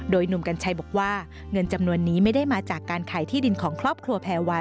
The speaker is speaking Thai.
หนุ่มกัญชัยบอกว่าเงินจำนวนนี้ไม่ได้มาจากการขายที่ดินของครอบครัวแพรวา